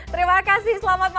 terima kasih selamat malam